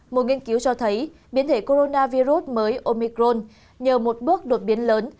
một nghiên cứu cho thấy biến thể coronavirus mới omicron nhờ một bước đột biến lớn